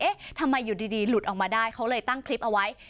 ทำไมอยู่ดีหลุดออกมาได้เขาเลยตั้งคลิปเอาไว้